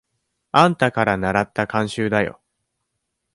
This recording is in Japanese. あんたからならった慣習だよ。